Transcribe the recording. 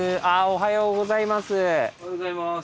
おはようございます。